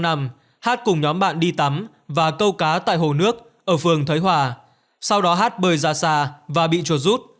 n n h hát cùng nhóm bạn đi tắm và câu cá tại hồ nước ở phường thới hòa sau đó hát bơi ra xa và bị chuột rút